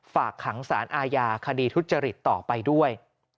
ฝากขังสารอาญาคดีทุจริตต่อไปด้วย